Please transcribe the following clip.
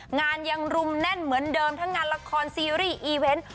งานยังรุมแน่นเหมือนเดิมทั้งงานละครซีรีส์อีเวนต์